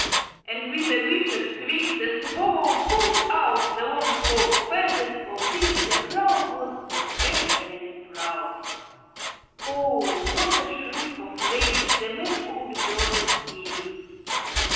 And with a vicious tweak the Swallow pulled out the long forked feathers of which the Crow was especially proud. Oh, what a shriek of rage the mad old bird gave!